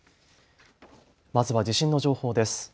まずは地震の情報です。